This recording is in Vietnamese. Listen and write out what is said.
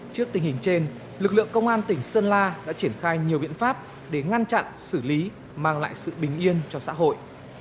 trước tình hình trên lực lượng công an tỉnh sơn la đã triển khai nhiều biện pháp để ngăn chặn xử lý mang lại sự bình yên cho xã hội